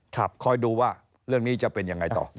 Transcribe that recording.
คอยดูว่าเรื่องนี้จะเป็นยังไงต่อ